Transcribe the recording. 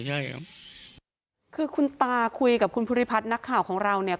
คือคุณตาคุยกับคุณพุทธิพัฒน์นักข่าวของเราเนี่ย